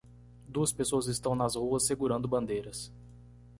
Duas pessoas estão nas ruas segurando bandeiras.